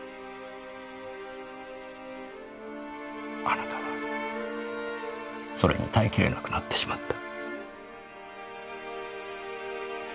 あなたはそれに耐え切れなくなってしまった。